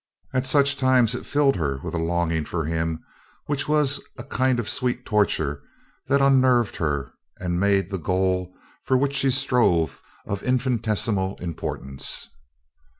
At such times it filled her with a longing for him which was a kind of sweet torture that unnerved her and made the goal for which she strove of infinitesimal importance.